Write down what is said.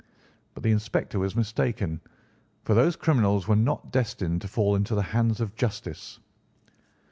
But the inspector was mistaken, for those criminals were not destined to fall into the hands of justice.